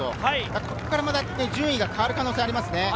ここからまた順位が変わる可能性はありますね。